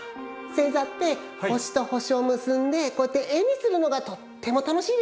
せいざってほしとほしをむすんでこうやってえにするのがとってもたのしいですね。